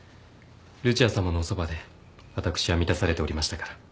ルチアさまのおそばで私は満たされておりましたから。